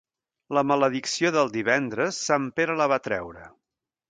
La maledicció del divendres, sant Pere la va treure.